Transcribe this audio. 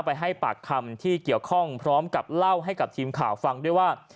ให้ปากคำที่เกี่ยวข้องพร้อมกับเล่าให้กับทีมข่าวฟังด้วยว่า